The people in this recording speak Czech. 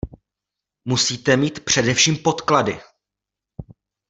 Musíte mít především podklady.